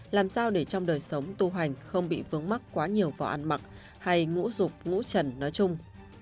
làm sao để trong đời sống tu hành không bị vướng mắt quá nhiều vào ăn mặc hay ngũ rục ngũ trần nói chung